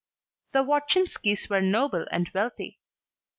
The Wodzinskis were noble and wealthy.